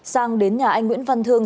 sang đến nhà anh nguyễn văn thương